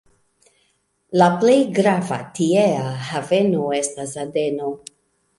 La plej grava tiea haveno estas Adeno.